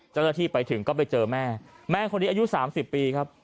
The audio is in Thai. เจ้าหน้าที่ไปถึงก็ไปเจอแม่แม่คนนี้อายุ๓๐ปีครับ